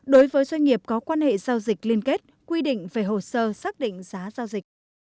đối với doanh nghiệp có quan hệ giao dịch liên kết quy định về hồ sơ xác định giá giao dịch